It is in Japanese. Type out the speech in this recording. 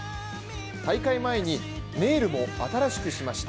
大会前にネイルも新しくしました。